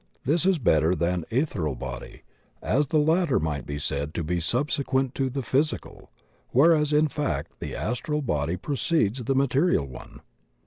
This is better than "ethereal body," as the latter might be said to be subsequent to the physical, whereas in fact the astral body precedes the material one.